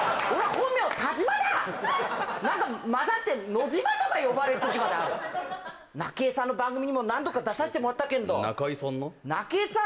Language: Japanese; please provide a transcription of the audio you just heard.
本名田島だなんか混ざって「野島」とか呼ばれる時まであるなけえさんの番組にも何度か出させてもらったけんど「なかい」さん